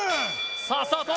さあスタート